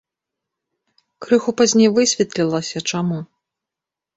Крыху пазней высветлілася, чаму.